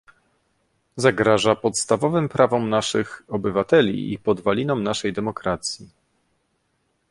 Zagraża podstawowym prawom naszych obywateli i podwalinom naszej demokracji